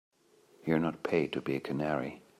You're not paid to be a canary.